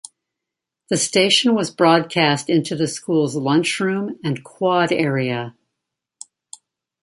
The station was broadcast into the school's lunchroom and quad area.